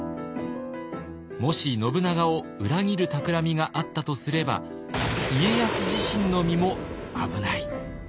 もし信長を裏切る企みがあったとすれば家康自身の身も危ない。